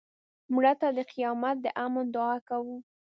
مړه ته د قیامت د امن دعا کوو